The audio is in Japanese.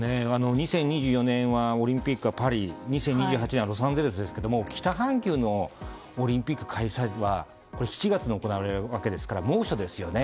２０２４年はオリンピックがパリ２０２８年はロサンゼルスですけど北半球のオリンピック開催は７月に行われるわけですから猛暑ですね。